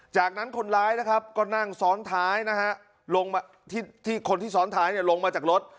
จากนั้นคนร้ายนะครับก็นั่งซ้อนท้ายนะฮะลงมาที่คนที่ซ้อนท้ายลงมาจากรถ